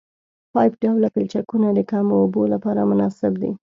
پایپ ډوله پلچکونه د کمو اوبو لپاره مناسب دي